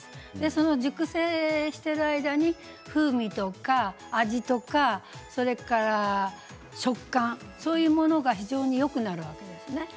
その熟成している間に風味とか味とか食感そういうものが非常によくなるわけですね。